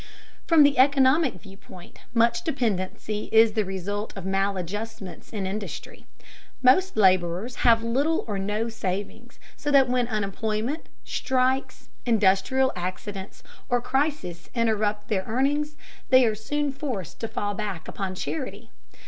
From the economic viewpoint much dependency is the result of maladjustments in industry. Most laborers have little or no savings, so that when unemployment, strikes, industrial accidents, or crises interrupt their earnings, they are soon forced to fall back upon charity.